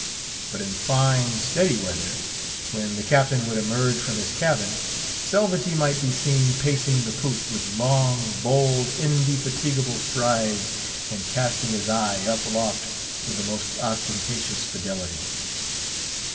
But in fine, steady weather, when the Captain would emerge from his cabin, Selvagee might be seen, pacing the poop with long, bold, indefatigable strides, and casting his eye up aloft with the most ostentatious fidelity.